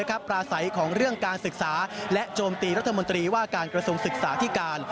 ปราศัยของเรื่องการศึกษาและโจมตีรัฐมนตรีว่าการกระทรวงศึกษาที่การ